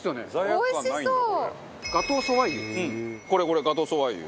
中丸：ガトー・ソワイユ。